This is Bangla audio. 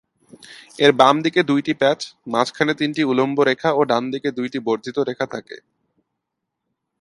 এর বাম দিকে দুইটি প্যাচ, মাঝখানে তিনটি উলম্ব রেখা ও ডানদিকে দুইটি বর্ধিত রেখা থাকে।